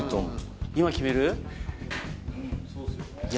今決める？